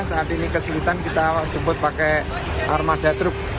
saat ini kesulitan kita jemput pakai armada truk